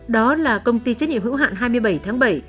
đó là công ty trách nhiệm hữu hạn hai mươi bảy tháng bảy